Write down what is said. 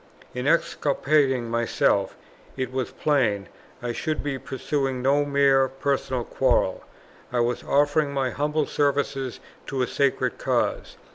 In exculpating myself, it was plain I should be pursuing no mere personal quarrel; I was offering my humble service to a sacred cause.